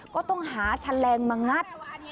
ก็ต้องหาชันแรงมางัด